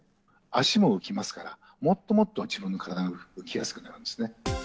足も浮きますから、もっともっと自分の体が浮きやすくなるんですね。